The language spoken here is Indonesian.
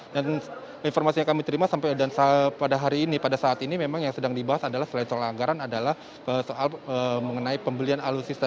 dan informasi yang kami terima sampai pada hari ini pada saat ini memang yang sedang dibahas adalah selain soal anggaran adalah soal mengenai pembelian alusista